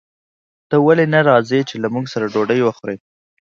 ته ولې نه راځې چې له موږ سره ډوډۍ وخورې